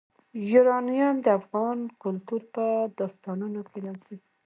یورانیم د افغان کلتور په داستانونو کې راځي.